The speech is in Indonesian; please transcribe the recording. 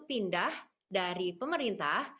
pindah dari pemerintah